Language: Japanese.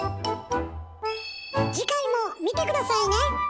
次回も見て下さいね！